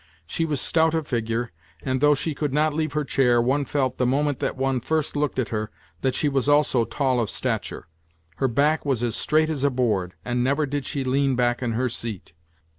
She was stout of figure, and, though she could not leave her chair, one felt, the moment that one first looked at her, that she was also tall of stature. Her back was as straight as a board, and never did she lean back in her seat.